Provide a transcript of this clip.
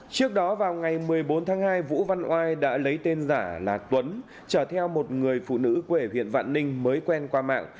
trước đó vào ngày một mươi bốn tháng hai vũ văn oai đã lấy tên giả là tuấn trở theo một người phụ nữ quê huyện vạn ninh mới quen qua mạng